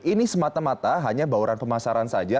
ini semata mata hanya bauran pemasaran saja